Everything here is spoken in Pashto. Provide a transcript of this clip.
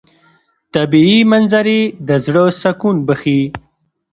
طبیعي منظرې د زړه سکون بښي.